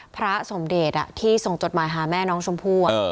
พระสมเดชน์อ่ะที่ส่งจดหมายหาแม่น้องชมพูอ่ะเออ